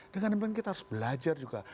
dengan demikian kita harus belajar juga